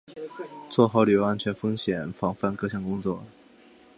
做好旅游安全风险防范各项工作